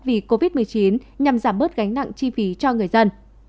vì covid một mươi chín nhằm giảm bớt gánh nặng chi phí cho người dân